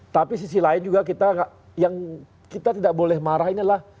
tapi sisi lain juga kita yang kita tidak boleh marah ini adalah